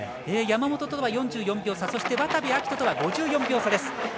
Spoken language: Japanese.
山本とは４４秒差そして渡部暁斗とは５４秒差。